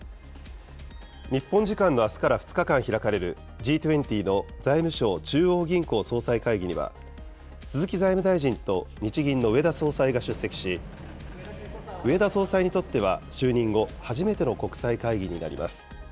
日本時間のあすから２日間開かれるＧ２０の財務相・中央銀行総裁会議には、鈴木財務大臣と日銀の植田総裁が出席し、植田総裁にとっては就任後、初めての国際会議になります。